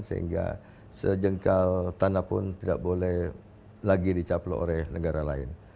sehingga sejengkal tanah pun tidak boleh lagi dicaplok oleh negara lain